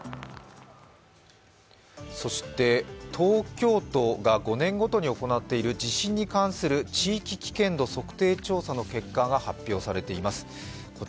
そして、東京都が５年ごとに行っている地震に関する地域危険度測定調査の結果が発表されています。